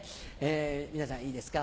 皆さんいいですか？